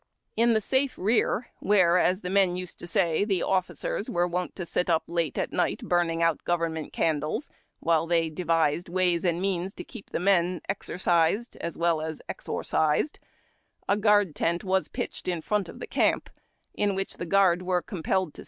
In tlie safe rear, where, as the men used to say, the officers were wont to sit up late at night burning out government candles, while the}^ devised ways and means to keep the men exercised as well as exorcised, a guard tent was pitched in front of the camp, in which the guard were compelled to A BAY IN CAMP.